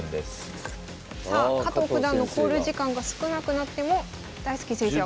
さあ加藤九段の考慮時間が少なくなっても大介先生は。